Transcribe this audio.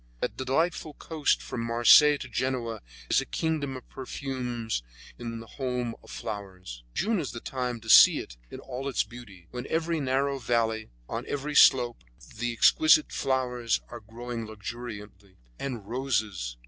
That delightful coast from Marseilles to Genoa is a kingdom of perfumes in a home of flowers. June is the time to see it in all its beauty, when in every narrow valley and on every slope, the most exquisite flowers are growing luxuriantly. And the roses!